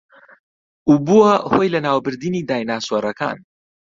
و بووە هۆی لەناوبردنی دایناسۆرەکان